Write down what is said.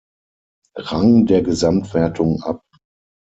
Rang der Gesamtwertung ab.